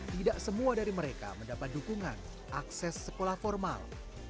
tidak semua dari mereka mendapat dukungan akses sekolah formal